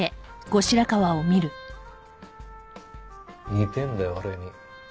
似てんだよ俺に。